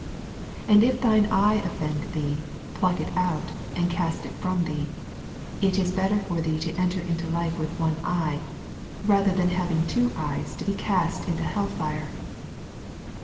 9 And if thine eye offend thee, pluck it out, and cast it from thee : it is better for thee to enter into life with one eye, rather than having two eyea to be cast into hell fire.